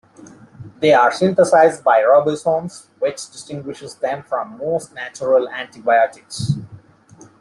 They are synthesized by ribosomes, which distinguishes them from most natural antibiotics.